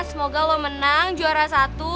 semoga lo menang juara satu